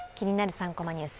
３コマニュース」